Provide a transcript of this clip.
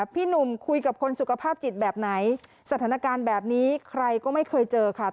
พี่หนุ่มคุยกับคนสุขภาพจิตแบบไหนสถานการณ์แบบนี้ใครก็ไม่เคยเจอค่ะ